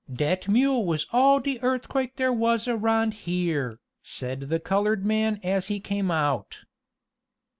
"Dat mule was all de earthquake dere was around here," said the colored man as he came out.